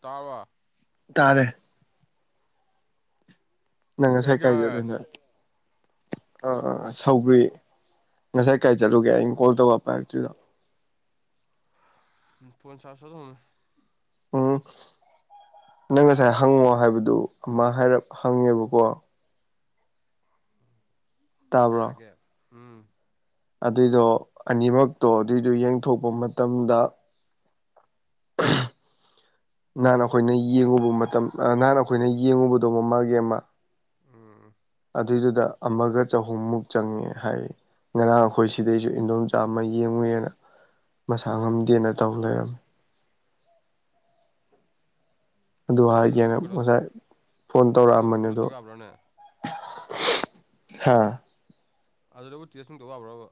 ꯇꯥꯕ ꯇꯥꯔꯦ ꯅꯪ ꯀꯌꯥ ꯉꯁꯥꯏ ꯀꯌꯥ ꯀꯥꯏ ꯑꯣꯏꯔꯦ ꯆꯠꯂꯨꯏꯅꯣ ꯑꯥ ꯑꯥ ꯁꯧꯒ꯭ꯔꯤ ꯉꯁꯥꯏ ꯀꯥꯏ ꯆꯠꯂꯨꯒꯦ ꯑꯩꯅ ꯀꯣꯜ ꯇꯧꯕ ꯄꯥꯏꯔꯛꯇ꯭ꯔꯤꯗꯣ ꯎꯝ ꯐꯣꯟ ꯆꯥꯔꯁ ꯊꯧꯖꯤꯟꯕꯅꯤ ꯎꯝ ꯅꯪ ꯉꯁꯥꯏ ꯍꯪꯉꯣ ꯍꯥꯏꯕꯗꯨ ꯑꯃ ꯍꯥꯏꯔꯞ ꯍꯪꯉꯦꯕꯀꯣ ꯀꯩ ꯇꯥꯕ꯭ꯔꯣ ꯍꯥꯏꯔꯛꯀꯦ ꯎꯝ ꯑꯗꯨꯏꯗꯣ ꯑꯅꯤꯃꯛꯇꯣ ꯑꯗꯨꯏꯗꯨ ꯌꯦꯡꯊꯣꯛꯄ ꯃꯇꯝꯗ [inaudible] ꯅꯍꯥꯟ ꯑꯩꯈꯣꯏꯅ ꯌꯦꯡꯉꯨꯕ ꯃꯇꯝ ꯑ ꯅꯍꯥꯟ ꯑꯩꯈꯣꯏꯅ ꯌꯦꯡꯉꯨꯕꯗꯣ ꯃꯃꯥꯒꯤ ꯑꯃ ꯎꯝ ꯑꯗꯨꯏꯗꯨꯗ ꯑꯃꯒ ꯆꯍꯨꯝꯃꯨꯛ ꯆꯪꯉꯦ ꯍꯥꯏꯌꯦ ꯉꯔꯥꯡ ꯑꯩꯈꯣꯏ ꯁꯤꯗꯩꯖꯨ ꯏꯟꯗꯣꯝꯆꯥ ꯑꯃ ꯌꯦꯡꯉꯨꯏ ꯑꯅ ꯃꯁꯥ ꯉꯝꯗꯦꯅ ꯇꯧ ꯂꯩꯔꯝꯃꯤ ꯑꯗꯨ ꯑꯗꯨꯗꯕꯨ ꯍꯥꯏꯒꯦꯅ ꯀꯩꯅꯣ ꯉꯁꯥꯏ ꯐꯣꯟ ꯑꯗꯨꯗꯕꯨ ꯇꯧꯔꯛꯑꯝꯕꯅꯦ ꯀꯩꯅꯣ ꯑꯗꯣ ꯇꯧ ꯌꯥꯕ꯭ꯔꯥꯅꯦ ꯍꯥꯥ ꯑꯗꯨꯗꯕꯨ ꯇꯦꯁ ꯅꯨꯡ ꯇꯧ ꯋꯥꯕ꯭ꯔꯕ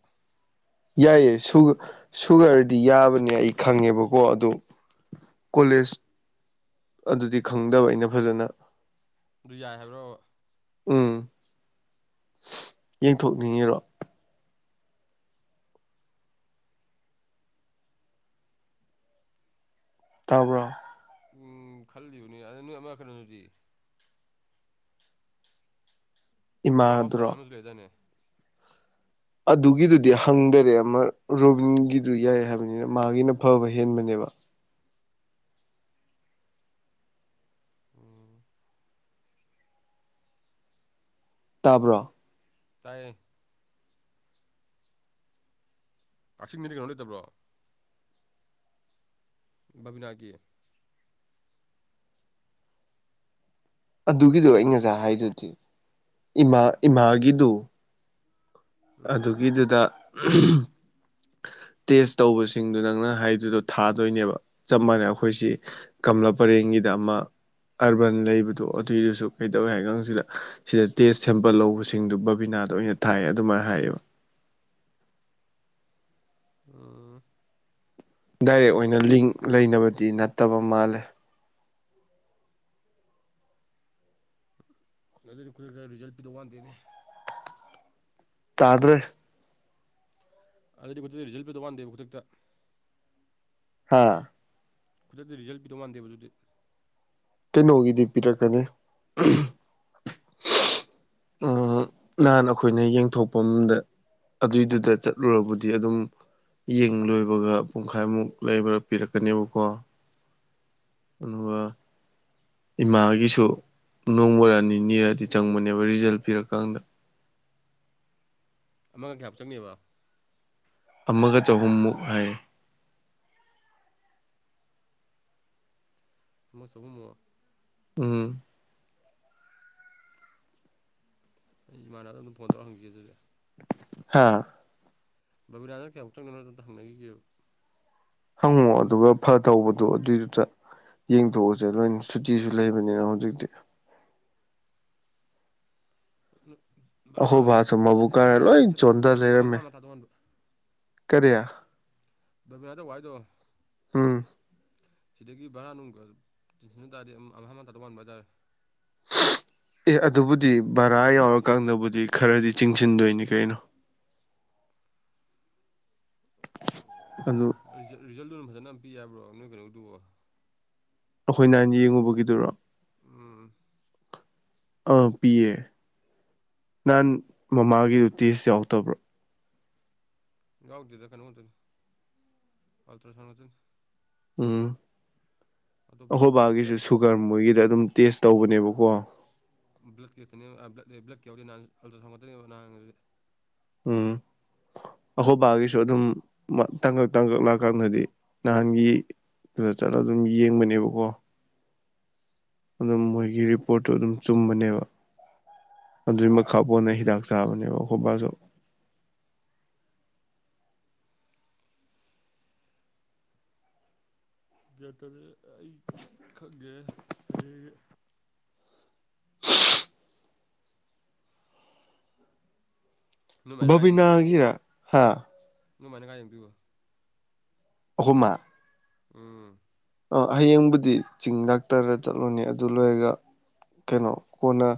ꯌꯥꯏꯌꯦ ꯁꯨ ꯁꯨꯒ꯭ꯔꯗꯤ ꯌꯥꯕꯅꯦ ꯑꯩ ꯈꯪꯉꯦꯕꯀꯣ ꯑꯗꯨ ꯀꯣꯂꯦꯖ ꯑꯗꯨꯗꯤ ꯈꯪꯗꯕ ꯑꯩꯅ ꯐꯖꯅ ꯑꯗꯨ ꯌꯥꯏ ꯍꯥꯏꯕ꯭ꯔꯕ ꯎꯝ ꯌꯦꯡꯊꯣꯛꯅꯤꯡꯉꯤꯔꯣ ꯇꯥꯕ꯭ꯔꯣ ꯎꯝ ꯈꯜꯂꯤꯕꯅꯤ ꯑꯗꯨ ꯅꯣꯏ ꯑꯃ ꯀꯩꯅꯣꯗꯨꯗꯤ ꯏꯃ ꯍꯣꯞ ꯏꯃꯥꯗꯨꯔꯣ ꯆꯥꯅ ꯑꯃꯁꯁꯨ ꯂꯩꯗꯅꯦ ꯑꯗꯨꯒꯤꯗꯨꯗꯤ ꯍꯪꯗꯔꯦ ꯑꯃ ꯔꯣꯕꯤꯟꯒꯤꯗꯨ ꯌꯥꯏ ꯍꯥꯏꯕꯅꯤꯅ ꯃꯥꯒꯤꯅ ꯐꯕ ꯍꯦꯟꯕꯅꯦꯕ ꯎꯝ ꯇꯥꯕ꯭ꯔꯣ ꯇꯥꯏꯌꯦꯦ ꯀꯥꯆꯤꯡ ꯃꯤꯅꯤꯠ ꯀꯩꯅꯣ ꯂꯩꯇꯕ꯭ꯔꯣ ꯕꯥꯕꯤꯅꯥꯒꯤ ꯑꯗꯨꯒꯤꯗꯣ ꯍꯜꯂꯣ ꯑꯩ ꯉꯁꯥꯏ ꯍꯥꯏꯗꯨꯗꯤ ꯏꯃꯥ ꯏꯃꯥꯒꯤꯗꯨꯣ ꯎꯝ ꯑꯗꯨꯒꯤꯗꯨꯗ ꯇꯦꯁ ꯇꯧꯕꯁꯤꯡꯗꯨ ꯅꯪꯅ ꯍꯥꯏꯗꯨꯗꯣ ꯊꯥꯗꯣꯏꯅꯦꯕ ꯆꯞ ꯃꯥꯟꯅꯩ ꯑꯩꯈꯣꯏꯁꯤ ꯀꯪꯂꯥ ꯄꯔꯦꯡꯒꯤꯗ ꯑꯃ ꯑꯕꯥꯟ ꯂꯩꯕꯗꯣ ꯑꯗꯨꯏꯗꯨꯁꯨ ꯀꯩꯗꯧꯏꯤ ꯍꯥꯏꯒꯪꯁꯤꯗ ꯁꯤꯗ ꯇꯦꯁ ꯁꯦꯝꯄꯜ ꯂꯧꯕꯁꯤꯡꯗꯨ ꯕꯕꯤꯅꯥꯗ ꯑꯣꯏꯅ ꯊꯥꯏ ꯑꯗꯨꯃꯥꯏꯅ ꯍꯥꯏꯌꯦꯕ ꯎꯝ ꯗꯥꯏꯔꯦꯛ ꯑꯣꯏꯅ ꯂꯤꯡ ꯂꯩꯅꯕꯗꯤ ꯅꯠꯇꯕ ꯃꯥꯜꯂꯦ ꯅꯠꯇꯅ ꯑꯩꯈꯣꯏ ꯈꯔ ꯔꯤꯖꯜ ꯄꯤꯗꯧ ꯋꯥꯟꯗꯦꯅꯦ ꯇꯥꯗ꯭ꯔꯦ ꯑꯗꯨꯗꯤ ꯈꯨꯗꯛꯇ ꯔꯤꯖꯜ ꯄꯤꯧ ꯋꯥꯟꯗꯦꯕ ꯈꯨꯗꯛꯇ ꯍꯥ ꯈꯨꯗꯛꯇ ꯔꯤꯖꯜ ꯄꯤꯗꯧ ꯃꯥꯟꯗꯦꯕ ꯑꯗꯨꯗꯤ ꯀꯩꯅꯣꯒꯤꯗꯤ ꯄꯤꯔꯛꯀꯅꯤ ꯎ ꯅꯍꯥꯟ ꯑꯩꯈꯣꯏꯅ ꯌꯦꯡꯊꯣꯛꯄ ꯑꯃꯗ ꯑꯗꯨꯏꯗꯨꯗ ꯆꯠꯂꯨꯔꯕꯗꯤ ꯑꯗꯨꯝ ꯌꯦꯡ ꯂꯣꯏꯕꯒ ꯄꯨꯡꯈꯥꯏꯃꯨꯛ ꯂꯩꯕ ꯄꯤꯔꯛꯀꯅꯦꯕꯀꯣ ꯑꯗꯨꯒ ꯏꯃꯥꯒꯤꯁꯨ ꯅꯣꯡꯃꯔ ꯅꯤꯅꯤꯔꯛꯗꯤ ꯆꯪꯕꯅꯦꯕ ꯔꯤꯖꯜ ꯄꯤꯔꯀꯥꯟꯗ ꯑꯃꯒ ꯀꯌꯥ ꯍꯥꯞ ꯆꯪꯉꯦꯕ ꯑꯃꯒ ꯆꯍꯨꯝꯃꯨꯛ ꯍꯥꯏ ꯊꯨꯝꯃꯣꯏ ꯆꯍꯨꯝꯃꯣ ꯎꯝ ꯑꯩ ꯏꯃꯥꯟꯅꯕ ꯑꯗꯨꯝ ꯐꯣꯟ ꯇꯧꯔ ꯍꯪꯒꯦ ꯑꯗꯨꯗꯤ ꯍꯥꯥ ꯕꯕꯤꯔꯥꯅ ꯀꯌꯥꯨꯛ ꯆꯪꯅꯣ ꯑꯝ ꯍꯪꯅꯈꯤꯒꯦꯕ ꯍꯪꯉꯣ ꯑꯗꯨꯒ ꯐ ꯇꯧꯕꯗꯣ ꯑꯗꯨꯏꯗꯨꯗ ꯌꯦꯡꯊꯣꯛꯎꯁꯦ ꯂꯣꯏ ꯁꯨꯇꯤꯁꯨ ꯂꯩꯕꯅꯤꯅ ꯍꯧꯖꯤꯛꯇꯤ ꯑꯩꯈꯣꯏ ꯕꯔꯥ ꯕꯥꯁꯨ ꯃꯕꯨꯛ ꯁꯤꯗꯒꯤ ꯀꯥꯔ ꯕꯔꯥ ꯂꯣꯏ ꯅꯨꯡ ꯆꯠꯄ ꯆꯣꯟꯊ ꯈꯣꯠꯄ ꯀꯩꯗꯧꯕ ꯑꯃꯥꯡ ꯃꯊꯥ ꯇꯣꯡꯍꯟꯕ ꯀꯔꯌꯥ ꯕꯕꯤꯌꯥꯗꯚꯏꯗꯣ ꯎꯝ ꯁꯤꯗꯒꯤ ꯚꯔꯥ ꯅꯨꯡꯒ ꯆꯤꯟꯁꯤꯟꯕ ꯇꯥꯔꯗꯤ ꯑꯃ ꯑꯃꯇꯥ ꯇꯧ ꯋꯥꯥꯟꯕ ꯍꯥꯏꯇꯥꯔꯦ ꯑꯦ ꯑꯗꯨꯕꯨꯗꯤ ꯚꯔꯥ ꯌꯥꯎꯔꯀꯥꯟꯗꯕꯨꯗꯤ ꯈꯔꯗꯤ ꯆꯤꯡꯁꯤꯟꯗꯣꯏꯅꯤ ꯀꯩꯅꯣ ꯑꯗꯨ ꯑꯣ ꯔꯤꯖꯜꯗꯨꯨꯅ ꯐꯖꯅꯝ ꯄꯤ ꯌꯥꯕ꯭ꯔꯣ ꯅꯣꯏ ꯀꯩꯅꯣꯗꯨꯣ ꯑꯩꯈꯣꯏꯅ ꯑꯅ ꯌꯦꯡꯉꯨꯕꯒꯤꯗꯨꯔꯣ ꯎꯝ ꯑꯥ ꯄꯤꯌꯦ ꯅꯍꯥꯟ ꯃꯃꯥꯒꯤ ꯔꯣꯇꯦꯖ ꯌꯥꯎꯗꯕ꯭ꯔꯣ ꯌꯎꯗꯗ ꯀꯩꯅꯃꯣꯏꯅꯤ ꯑꯜꯇ꯭ꯔꯥꯁꯥꯎꯟ ꯑꯣꯏꯗꯤ ꯎꯝ ꯑꯇꯣꯞꯄ ꯑꯩꯈꯣꯏ ꯕꯥꯒꯤꯁꯨ ꯕ꯭ꯂꯠꯀꯤ ꯁꯨꯒꯔ ꯃꯣꯏꯒꯤꯗ ꯑꯗꯨꯝ ꯇꯦꯁ ꯇꯧꯕꯅꯦꯕꯀꯣ ꯭ꯂꯛ ꯀꯦꯅꯦ꯭ꯂ ꯭ꯂꯛ ꯀ ꯌꯎ ꯅꯜꯥ ꯅ ꯎꯝ ꯑꯍꯣꯕꯥꯒꯤꯁꯨ ꯑꯗꯨꯝ ꯇꯥꯡꯀꯛ ꯇꯥꯡꯀꯛꯥꯀꯛꯅꯗꯤ ꯅꯍꯥꯟꯒꯤ ꯑꯗꯨꯗ ꯆꯠꯂ ꯑꯗꯨꯝ ꯌꯦꯡꯕꯅꯦꯕꯀꯣ ꯑꯗꯨꯝ ꯃꯣꯏꯒꯤ ꯔꯤꯄꯣꯔꯠꯇꯨ ꯑꯗꯨꯝ ꯆꯨꯝꯕꯅꯦꯕ ꯑꯗꯨꯏ ꯃꯈꯥꯄꯣꯟꯅ ꯍꯤꯗꯥꯛ ꯆꯥꯕꯅꯦꯕ ꯈꯣꯕꯥꯁꯨ ꯒꯌꯥꯟ ꯇꯗꯦ ꯑꯩ ꯈꯪꯗꯦ ꯍꯌꯦꯡꯗ ꯅꯣꯏꯃꯥꯏꯅ ꯕꯕꯤꯅꯥꯒꯤ ꯍꯥꯥ ꯅꯣ ꯃꯥꯅ ꯀꯥꯏ ꯌꯦꯡꯗꯨꯏꯕ ꯑꯈꯣꯃꯥ ꯎꯝ ꯑꯥ ꯍꯌꯦꯡꯕꯨꯗꯤ ꯆꯤꯡ ꯗꯥꯛꯇꯔꯗ ꯆꯠꯂꯨꯅꯤ ꯑꯗꯨ ꯂꯣꯏꯔꯒ ꯀꯩꯅꯣ ꯀꯣꯟꯅ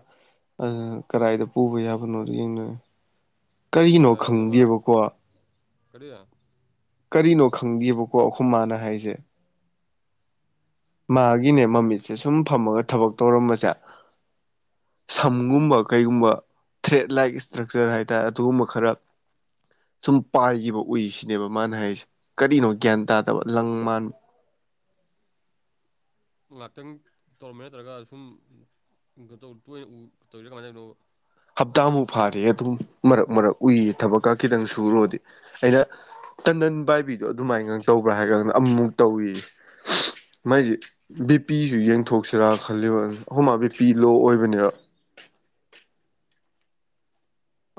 ꯀꯗꯥꯏꯗ ꯄꯨꯕ ꯌꯥꯕꯅꯣꯗꯣ ꯌꯦꯡꯅ ꯆꯤꯡ ꯀꯔꯤꯒꯤꯅꯣ ꯂꯦꯛꯇꯥꯗꯤ ꯑꯃ ꯈꯪꯗꯦꯕꯀꯣ ꯀꯔꯤ ꯀꯔꯤꯅꯣ ꯈꯪꯗꯦꯕꯀꯣ ꯑꯈꯣꯃꯥꯅ ꯍꯥꯏꯁꯦ ꯃꯥꯒꯤꯅꯦ ꯃꯃꯤꯠꯁꯦ ꯁꯨꯝ ꯐꯝꯃꯒ ꯊꯕꯛ ꯇꯧꯔꯝꯕꯁꯦ ꯁꯝꯒꯨꯝꯕ ꯀꯩꯒꯨꯝꯕ ꯊ꯭ꯔꯦꯠ ꯂꯥꯏꯛ ꯏꯁꯇ꯭ꯔꯛꯆꯔ ꯍꯥꯏꯇꯥꯔꯦ ꯑꯗꯨꯒꯨꯝꯕ ꯈꯔ ꯁꯨꯝ ꯄꯥꯏꯈꯤꯕ ꯎꯏ ꯁꯤꯅꯦꯕ ꯃꯥꯅ ꯍꯥꯏꯔꯤꯁꯦ ꯀꯔꯤꯅꯣ ꯒ꯭ꯌꯥꯟ ꯇꯥꯗꯕ ꯂꯪ ꯃꯥꯟ ꯉꯥꯏꯍꯥꯛꯇꯪ ꯇꯧꯔꯝꯕ ꯅꯠꯇ꯭ꯔꯒ ꯁꯨꯝ ꯇꯣꯏꯅ ꯎ ꯇꯧꯔꯤꯔ ꯀꯃꯥꯏꯅ ꯇꯧꯅꯣ ꯍꯞꯇꯥꯃꯨꯛ ꯐꯥꯔꯦ ꯑꯗꯨꯝ ꯃꯔꯛ ꯃꯔꯛ ꯎꯏ ꯊꯕꯛꯀ ꯈꯤꯇꯪ ꯁꯨꯔꯨꯔꯗꯤ ꯑꯩꯅ ꯇꯟꯗꯟ ꯄꯥꯏꯕꯤꯗꯣ ꯑꯗꯨꯃꯥꯏꯅꯒ ꯇꯧꯕ꯭ꯔꯥ ꯍꯥꯏꯀꯥꯟꯗ ꯑꯃꯃꯨꯛ ꯇꯧꯏ ꯃꯥꯏꯁꯦ ꯗꯤꯄꯤꯁꯨ ꯌꯦꯡꯊꯣꯛꯁꯤꯔꯥ ꯈꯜꯂꯤꯕ ꯑꯍꯨꯝ ꯃꯥ ꯕꯤꯄꯤ ꯂꯣ ꯑꯣꯏꯕꯅꯦꯕ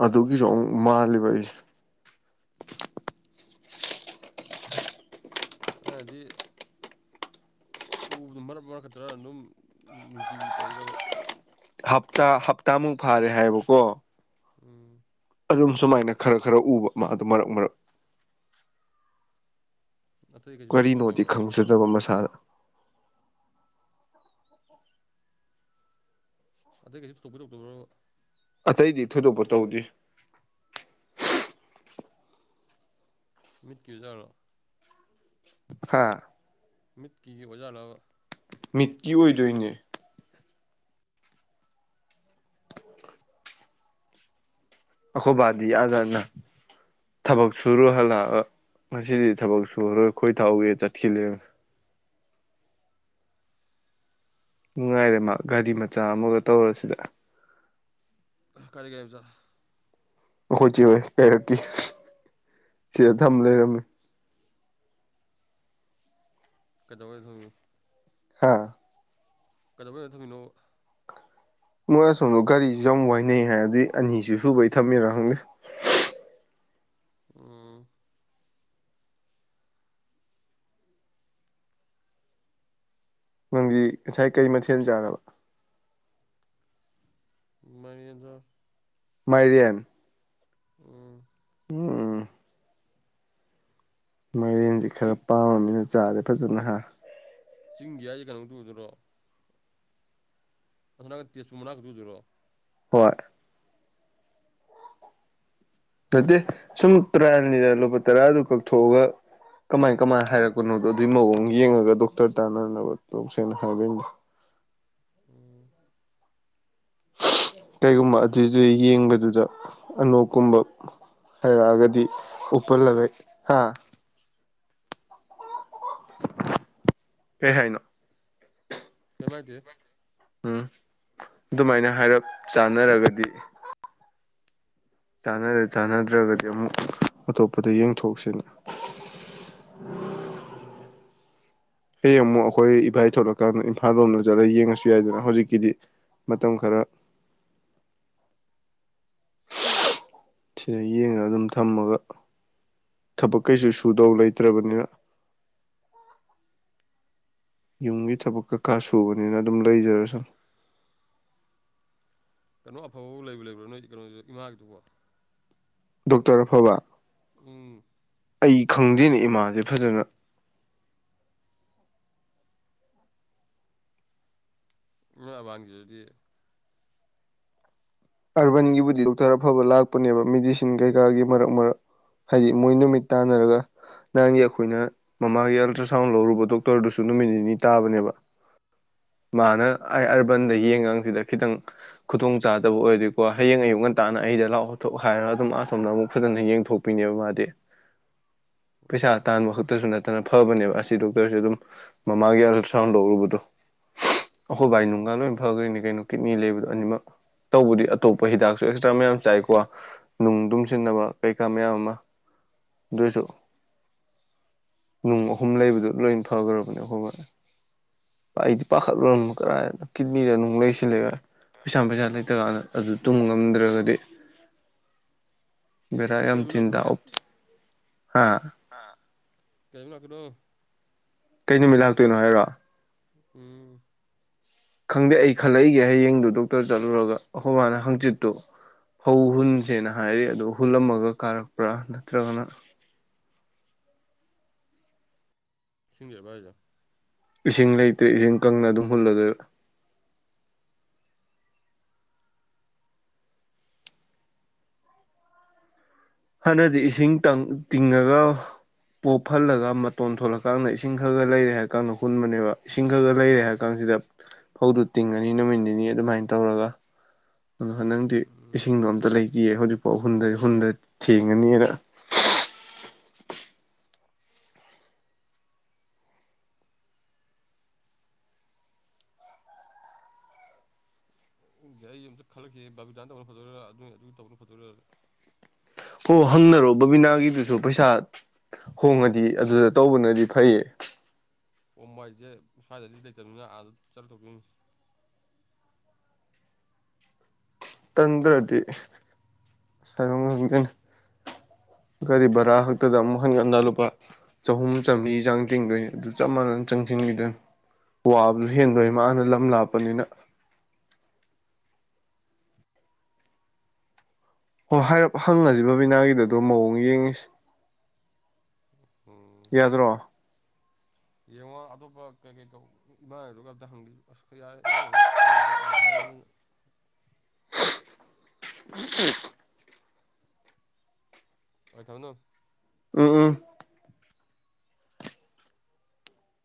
ꯑꯗꯨꯒꯤꯁꯨ ꯑꯃꯨꯛ ꯃꯥꯜꯂꯤꯕ ꯑꯩꯁꯦ ꯑꯗꯤ ꯎꯕꯗꯣ ꯃꯔꯛ ꯃꯔꯛꯈꯛꯇ꯭ꯔꯥ ꯑꯗꯨꯝ ꯅꯨꯡꯇꯤ ꯇꯧꯔꯤꯔꯕ ꯍꯞꯇꯥ ꯍꯞꯇꯥꯃꯨꯛ ꯐꯥꯔꯦ ꯍꯥꯏꯌꯦꯕꯀꯣ ꯎꯝ ꯑꯗꯨꯝ ꯁꯨꯃꯥꯏꯅ ꯈꯔ ꯈꯔ ꯎꯕ ꯃꯥ ꯑꯗꯨ ꯃꯔꯛ ꯃꯔꯛ ꯑꯇꯩ ꯀꯩꯁꯨ ꯊꯣꯏꯗꯣꯛꯄ ꯀꯔꯤꯅꯣꯗꯤ ꯇꯧꯗꯕ꯭ꯔꯣ ꯈꯪꯖꯗꯕ ꯃꯁꯥꯗ ꯑꯇꯩꯩ ꯀꯩꯁꯨ ꯊꯣꯏꯗꯣꯛꯄ ꯇꯧꯗꯕ꯭ꯔꯥ ꯑꯇꯩꯗꯤ ꯊꯣꯏꯗꯣꯛꯄ ꯇꯧꯗꯦ ꯃꯤꯠꯀꯤ ꯑꯣꯏꯖꯥꯠꯔꯣ ꯍꯥ ꯃꯤꯠꯀꯤ ꯑꯣꯏꯖꯥꯠꯂꯕ ꯃꯤꯠꯀꯤ ꯑꯣꯏꯗꯣꯏꯅꯦ ꯑꯈꯣꯕꯗꯤ ꯑꯅꯥꯅꯥ ꯊꯕꯛ ꯁꯨꯔꯨ ꯍꯜꯂꯛꯑꯒ ꯉꯁꯤꯗꯤ ꯊꯕꯛ ꯁꯨꯔꯔꯣꯏ ꯈꯣꯏ ꯊꯥꯎꯒꯤ ꯆꯠꯈꯤꯕꯅꯦ ꯅꯨꯡꯉꯥꯏꯔꯦ ꯃꯥ ꯒꯥꯔꯤ ꯃꯆꯥ ꯑꯃꯒ ꯇꯧꯔꯁꯤꯗ ꯀꯔꯤ ꯒꯔꯤꯃꯆꯥ ꯑꯩꯈꯣꯏ ꯆꯦꯍꯣꯏ ꯀꯩꯔꯛꯀꯤ ꯁꯤꯗ ꯊꯝ ꯂꯩꯔꯝꯃꯤ ꯀꯩꯗꯧꯕꯩ ꯊꯝ ꯍꯥꯥ ꯀꯩꯗꯧꯕꯩ ꯑꯗꯥ ꯊꯝꯃꯤꯅꯣ ꯃꯣꯏ ꯑꯁꯣꯝꯗꯣ ꯒꯥꯔꯤꯁꯨ ꯌꯥꯝ ꯋꯥꯏꯅꯩ ꯍꯥꯏ ꯑꯗꯨꯒꯤ ꯑꯅꯤꯁꯨ ꯁꯨꯕꯩ ꯊꯝꯃꯤꯔ ꯈꯪꯗꯦ ꯎꯝ ꯅꯪꯗ ꯉꯁꯥꯏ ꯀꯩ ꯃꯊꯦꯜ ꯆꯥꯔꯕ ꯃꯥꯏꯔꯦꯟ ꯆꯥꯏ ꯃꯥꯏꯔꯦꯟ ꯎꯝ ꯎꯝ ꯃꯥꯏꯔꯦꯟꯁꯦ ꯈꯔ ꯆꯤꯡ ꯄꯥꯝꯃꯃꯤꯅ ꯆꯥꯁꯦ ꯐꯖꯅ ꯍꯥ ꯆꯤꯡꯒꯤ ꯍꯥꯏꯖꯦ ꯀꯩꯅꯣ ꯇꯨꯗꯨꯔꯣ ꯍꯟꯗꯛꯀꯤ ꯁꯨꯝꯔꯛ ꯑꯗꯨꯗꯨꯔꯣ ꯍꯣꯏ ꯅꯠꯇꯦ ꯁꯨꯝ ꯇꯔꯥꯅꯤꯗ ꯂꯨꯄꯥ ꯇꯔꯥꯗꯨ ꯀꯛꯊꯣꯛꯑꯒ ꯀꯃꯥꯏ ꯀꯃꯥꯏꯅ ꯍꯥꯏꯔꯛꯄꯅꯣꯗꯣ ꯑꯗꯨꯒꯤ ꯃꯑꯣꯡ ꯌꯦꯡꯉꯒ ꯗꯣꯛꯇꯔ ꯇꯥꯅꯅꯕ ꯇꯧꯁꯦꯅ ꯍꯥꯏꯕꯤ꯫ ꯎꯝ ꯀꯩꯒꯨꯝꯕ ꯑꯗꯨꯏꯗꯨ ꯌꯦꯡꯕꯗꯨꯗ ꯑꯅꯣꯛꯀꯨꯝꯕ ꯍꯥꯏꯩꯔꯛꯑꯒꯗꯤ꯫ ꯗꯤ ꯎꯞ ꯌꯥꯔꯒꯗꯤ ꯂꯩꯒ ꯍꯥ ꯀꯩ ꯍꯥꯏꯅꯣ ꯀꯏꯝ ꯍꯥꯏꯗꯦꯍꯦ꯫ ꯎꯝ ꯑꯗꯨꯃꯥꯏꯅ ꯍꯥꯏꯔꯞ ꯆꯥꯅꯔꯒꯗꯤ꯫ ꯆꯥꯅꯔꯦ ꯆꯥꯟꯅꯗ꯭ꯔꯒꯗꯤ ꯑꯃꯨꯛ ꯑꯇꯣꯞꯄꯗ ꯌꯦꯡꯊꯣꯛꯁꯤꯅ꯫ ꯎꯝ ꯍꯌꯦꯡ ꯑꯃꯨꯛ ꯑꯩꯈꯣꯏ ꯏꯕꯥꯏ ꯊꯣꯛꯂꯛꯀꯥꯟꯗ ꯏꯝꯐꯥꯜ ꯂꯣꯝꯗ ꯆꯠꯂꯒ ꯌꯦꯡꯉꯁꯨ ꯌꯥꯏꯗꯅ ꯍꯧꯖꯤꯛꯀꯤꯗꯤ ꯃꯇꯝ ꯈꯔ [inaudible] ꯁꯤꯗ ꯌꯦꯡꯉꯒ ꯑꯗꯨꯝ ꯊꯝꯃꯒ ꯊꯕꯛ ꯀꯩꯁꯨ ꯁꯨꯗꯧ ꯂꯩꯇ꯭ꯔꯕꯅꯤꯅ ꯌꯨꯝꯒꯤ ꯊꯕꯛ ꯀꯀꯥ ꯁꯨꯕꯅꯤꯅ ꯑꯗꯨꯝ ꯂꯩꯖꯔꯁꯅꯨ꯫ ꯀꯩꯅꯣ ꯑꯐꯕ ꯂꯩꯕ ꯂꯩꯕ꯭ꯔꯥ ꯅꯣꯏ ꯀꯩꯅꯣꯗꯨꯣ ꯏꯃꯥꯒꯤꯗꯨꯕꯣ꯫ ꯗꯣꯛꯇꯔ ꯑꯐꯕ ꯎꯝ ꯑꯩ ꯈꯪꯗꯦꯅꯦ ꯏꯃꯥꯟꯁꯦ ꯐꯖꯅ ꯎꯔꯥꯕꯥꯟꯒꯤꯗꯨꯗꯤ꯫ ꯑꯔꯕꯥꯟꯒꯤꯕꯨꯗꯤ ꯗꯣꯛꯇꯔ ꯑꯐꯕ ꯂꯥꯛꯄꯅꯦꯕ ꯃꯦꯗꯤꯁꯤꯟ ꯀꯩꯀꯥꯒꯤ ꯃꯔꯛ ꯃꯔꯛ ꯍꯥꯏꯗꯤ ꯃꯣꯏ ꯅꯨꯃꯤꯠ ꯇꯥꯟꯅꯔꯒ ꯅꯪꯒꯤ ꯑꯩꯈꯣꯏꯅ ꯃꯃꯥꯒꯤ ꯑꯜꯇ꯭ꯔ ꯁꯥꯎꯟ ꯂꯧꯔꯨꯕ ꯗꯣꯛꯇꯔꯗꯨꯁꯨ ꯅꯨꯃꯤꯠ ꯅꯤꯅꯤ ꯇꯥꯕꯅꯦꯕ ꯃꯥꯅ ꯑꯩ ꯑꯔꯕꯟꯗ unintelligible ꯈꯤꯇꯪ ꯈꯨꯗꯣꯡ ꯆꯥ ꯐꯠꯇꯕꯨ ꯑꯣꯏꯗꯣꯏꯀꯣ ꯍꯌꯦꯡ ꯑꯌꯨꯛ ꯉꯟꯇꯥꯥꯟꯅ ꯑꯩꯗ ꯂꯥꯛꯑꯣ ꯊꯣꯛ ꯍꯥꯏꯔꯒ ꯑꯗꯨꯝ ꯑꯁꯣꯝꯗ ꯑꯃꯨꯛ ꯐꯖꯅ ꯌꯦꯡꯊꯣꯛꯄꯤꯅꯦꯕ ꯃꯥꯗꯤ꯫ [inaudible] ꯄꯩꯁꯥ ꯇꯥꯟꯕ ꯈꯛꯇꯁꯨ ꯅꯠꯇꯅ ꯐꯕꯅꯦꯕ ꯑꯁꯤ ꯗꯣꯛꯇꯔꯁꯨ ꯑꯗꯨꯝ ꯃꯃꯥꯒꯤ ꯑꯜꯇ꯭ꯔꯥꯁꯥꯎꯟ ꯂꯧꯔꯨꯕꯗꯣ ꯑꯈꯣꯏ ꯚꯥꯏ ꯅꯨꯡꯒ ꯂꯣꯏꯅ ꯐꯒꯩꯏꯅꯦ ꯀꯩꯅꯣ ꯀꯤꯠꯅꯤ ꯂꯩꯕꯗꯣ ꯑꯅꯤꯃꯛ ꯇꯧꯕꯗꯤ ꯑꯇꯣꯞꯄ ꯍꯤꯗꯥꯛꯁꯨ ꯑꯦꯛꯁꯇ꯭ꯔꯥ ꯃꯌꯥꯝ ꯆꯥꯏꯀꯣ ꯅꯨꯡ ꯇꯨꯡꯁꯤꯟꯅꯕ ꯀꯩꯀꯥ ꯃꯌꯥꯝ ꯑꯃ ꯑꯥꯗꯨ꯭ꯏꯁꯨ꯫ ꯅꯨꯡ ꯑꯍꯨꯝ ꯂꯩꯕꯗꯨ ꯂꯣꯏ ꯐꯈ꯭ꯔꯕꯅꯦ ꯑꯩꯈꯣꯏ ꯕꯥꯗꯣ ꯑꯩꯗꯤ ꯄꯥꯈꯠꯂꯨꯔꯝꯕ ꯀꯔꯥꯏꯅ ꯀꯤꯠꯅꯤꯗ ꯅꯨꯡ ꯂꯩꯁꯤꯜꯂꯒ ꯄꯩꯁꯥꯅ ꯄꯩꯁꯥ ꯂꯩ ꯀꯥꯟꯅ ꯑꯗꯨ ꯇꯨꯝꯕ ꯉꯝꯗ꯭ꯔꯒꯗꯤ꯫ ꯕꯦꯔꯏ ꯌꯥꯝ ꯊꯤ꯭ꯅꯗꯧ ꯍꯥ ꯍꯥ ꯀꯦꯝ ꯂꯥꯀꯗꯣ ꯀꯩ ꯅꯨꯃꯤꯠ ꯂꯥꯛꯇꯣꯏꯅꯣ ꯍꯥꯏꯔꯣ ꯎꯝ ꯈꯪꯗꯦ ꯑꯩ ꯈꯜꯂꯛꯏꯒꯦ ꯍꯌꯦꯡꯗꯨ ꯗꯣꯛꯇꯔ ꯆꯠꯂꯨꯔꯒ ꯑꯩꯈꯣꯏ ꯃꯥꯅ ꯍꯪꯆꯤꯠꯇꯣ ꯄꯧ ꯍꯨꯟꯁꯦꯅ ꯍꯥꯏꯔꯤ ꯑꯗꯣ ꯍꯨꯜꯂꯝꯃꯒ ꯀꯥꯔꯛꯄ꯭ꯔꯥ ꯅꯠꯇ꯭ꯔꯒꯅ ꯏꯁꯤꯡ ꯂꯩꯔꯕ꯭ꯔꯥ ꯍꯥꯏꯁꯦ꯫ ꯏꯁꯤꯡ ꯂꯩꯇꯦ ꯏꯁꯤꯡ ꯀꯪꯅ ꯑꯗꯨꯝ ꯍꯨꯜꯂꯗꯣꯏ ꯍꯥꯟꯅꯗꯤ ꯏꯁꯤꯡꯇꯪ ꯀꯪꯂꯒ ꯄꯣꯞ ꯐꯜꯂꯒ ꯃꯇꯣꯟ ꯊꯣꯂꯀꯥꯟꯗ ꯏꯁꯤꯡ ꯈꯔ ꯈꯔ ꯂꯩꯔꯦ ꯍꯥꯏꯔ ꯀꯥꯟꯗ ꯍꯨꯟꯕꯅꯦꯕ ꯏꯁꯤꯡ ꯈꯔ ꯈꯔ ꯂꯩꯔꯦ ꯍꯥꯏꯔ ꯀꯥꯡꯀꯁꯤꯗ ꯐꯧꯗꯨ ꯇꯤꯡꯉꯅꯤ ꯅꯨꯃꯤꯠ ꯅꯤꯅꯤ ꯑꯗꯨꯃꯥꯏꯅ ꯇꯧꯔꯒ ꯑꯗ ꯍꯟꯗꯛꯇꯤ ꯏꯁꯤꯡꯗꯣ ꯑꯝꯇ ꯂꯩꯇꯦꯌꯦ ꯍꯧꯖꯤꯛꯐꯥꯎ ꯍꯨꯟꯗ ꯍꯨꯟꯗ ꯊꯦꯡꯉꯅꯤꯌꯦ꯭ꯅ ꯎꯝꯗꯦ ꯑꯩ ꯑꯃꯝꯇ ꯈꯜꯂꯛꯈꯤꯒꯦ ꯕꯥꯕꯤꯗꯥꯟ ꯇꯧꯕꯅ ꯐꯗꯣꯏꯔ ꯑꯗꯨꯏ ꯅ ꯑꯗꯨꯒꯤ ꯇꯧꯕꯅ ꯐꯗꯣꯏꯔꯥ ꯐꯣ ꯍꯪꯅꯔꯣ ꯕꯕꯤꯅꯥꯒꯤꯗꯨꯁꯨ ꯄꯩꯁꯥ ꯍꯣꯡꯉꯗꯤ ꯑꯗꯨꯗ ꯇꯧꯕꯅꯗꯤ ꯐꯩꯌꯦ ꯑꯣ ꯃꯥꯏꯖꯦ ꯁ꯭ꯋꯥꯏꯗꯗꯤ ꯂꯩꯇꯕꯅꯤꯅ ꯑꯥꯗ ꯆꯠꯂꯨꯗꯨꯏꯅꯦ ꯇꯟꯗ꯭ꯔꯗꯤ [unintelligible] ꯒꯥꯔꯤ ꯚꯔꯥ ꯈꯛꯇꯗ ꯑꯃꯨꯛ ꯍꯟꯒꯠ ꯍꯟꯗ ꯂꯨꯄꯥ ꯆꯍꯨꯝ ꯆꯥꯝꯔꯤꯒꯤ ꯆꯥꯡ ꯇꯤꯡꯗꯣꯏꯅꯤ ꯑꯗꯨ ꯆꯞ ꯃꯥꯟꯅꯅ ꯆꯪꯁꯤꯟꯈꯤꯗꯣꯏꯅꯤ ꯋꯥꯕꯁꯨ ꯍꯦꯟꯗꯣꯏꯅꯦ ꯃꯥꯅ ꯂꯝ ꯂꯥꯞꯄꯅꯤꯅ ꯍꯣꯏ ꯍꯥꯏꯔꯞ ꯍꯪꯉꯁꯤ ꯕꯕꯤꯅꯥꯒꯤꯗ ꯑꯗꯨ ꯃꯑꯣꯡ ꯌꯦꯡꯉꯁꯤ ꯎꯝ ꯌꯥꯗ꯭ꯔꯣ ꯌꯦꯡꯉꯣ ꯑꯇꯣꯞꯄ ꯀꯩ ꯀꯩ ꯇꯧꯕ ꯏꯃꯥꯒꯤꯗꯨꯒ ꯑꯝꯇ ꯍꯪꯕꯤ ꯑꯁ ꯌꯥꯔꯦ ꯏꯃꯥꯒꯤꯉꯗ ꯅꯨꯏꯗꯣ ꯑꯥꯔ ꯊꯥꯏꯍꯥꯕꯅꯤꯅ [inaudible] ꯍꯣꯏ [unintelligible] ꯎꯝ ꯎꯝ